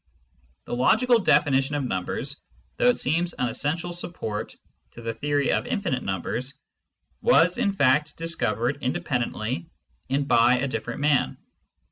The logical definition of numbers, though it seems an essential support to the theory of infinite numbers, was in fact discovered independently and by a diflFerent man.